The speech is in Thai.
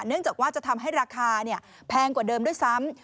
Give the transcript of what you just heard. เนื่องจากว่าจะทำให้ราคาเนี่ยแพงกว่าเดิมด้วยซ้ำ